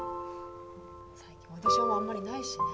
最近オーディションもあんまりないしね・